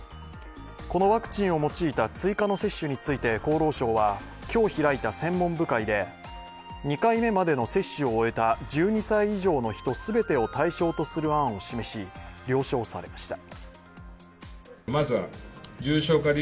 このワクチンを用いた追加の接種について厚労省は今日開いた専門部会で２回目までの接種を終えた１２歳以上の人全てを対象とする案を示し、了承されました。